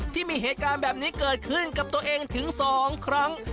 ที่มีเหตุการณ์แบบนี้เกิดขึ้นกับตัวเองถึง๒ครั้ง